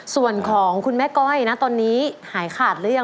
ส่วนของคุณแม่ก้อยนะตอนนี้หายขาดหรือยัง